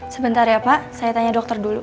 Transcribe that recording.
sebentar ya pak saya tanya dokter dulu